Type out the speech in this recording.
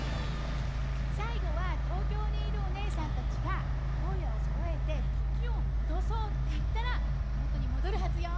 さいごは東京にいるおねえさんたちがこえをそろえて「ときをもどそう！」っていったらもとにもどるはずよ。